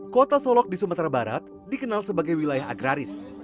kota solok di sumatera barat dikenal sebagai wilayah agraris